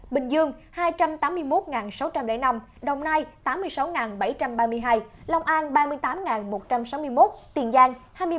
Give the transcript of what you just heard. bình dương hai trăm tám mươi một sáu trăm linh năm đồng nai tám mươi sáu bảy trăm ba mươi hai lòng an ba mươi tám một trăm sáu mươi một tiền giang hai mươi bảy chín trăm linh một